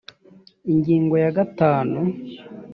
ingingo ya gatanu